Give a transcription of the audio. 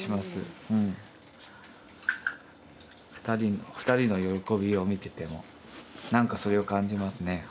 ２人の２人の喜びを見ててもなんかそれを感じますね。